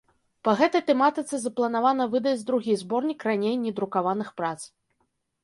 Па гэтай тэматыцы запланавана выдаць другі зборнік раней не друкаваных прац.